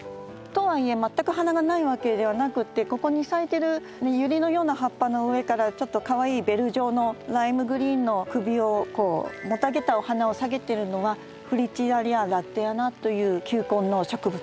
とはいえ全く花がないわけではなくってここに咲いてるユリのような葉っぱの上からちょっとかわいいベル状のライムグリーンの首をこうもたげたお花を下げてるのはフリチラリアラッデアナという球根の植物です。